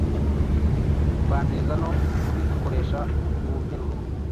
mbanziriza no kubikoresha mu nteruro.